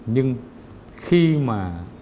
nhưng khi mà